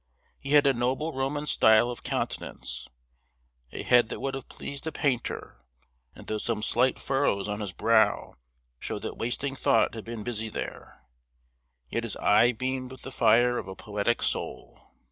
He had a noble Roman style of countenance; a a head that would have pleased a painter; and though some slight furrows on his brow showed that wasting thought had been busy there, yet his eye beamed with the fire of a poetic soul.